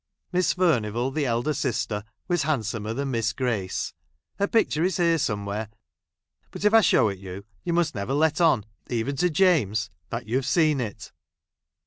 Miss Furnivall, the elder I sister, was handsomer than Miss Grace. Her picture is here somewhere ; but, if I show it you, you must never let on, even to J ames, ; that you have seen it.